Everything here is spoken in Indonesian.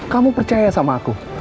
kamu percaya sama aku